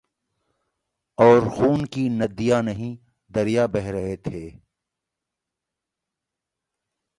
اورخون کی ندیاں نہیں دریا بہہ رہے تھے۔